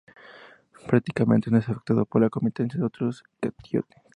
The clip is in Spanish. Prácticamente, no es afectado por la competencia de otros cationes.